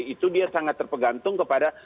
itu dia sangat terpegantung kepada